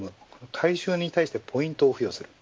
回収に対してポイントを付与する。